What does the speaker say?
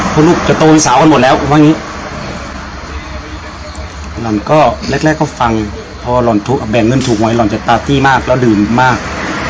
พอหล่อนทุกข์แบ่งเงินถูกไหวหล่อนแต่ปาร์ตี้มากแล้วดื่มมาก